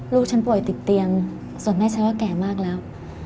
ลูกฉันป่วยติดเตียงส่วนให้ฉันก็แก่มากแล้ว